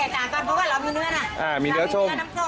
แตกต่างกันเพราะว่าเรามีเนื้อน้ำส้ม